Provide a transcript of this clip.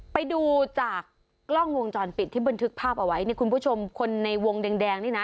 ไปดูจากกล้องวงจรปิดที่บันทึกภาพเอาไว้เนี่ยคุณผู้ชมคนในวงแดงแดงนี่นะ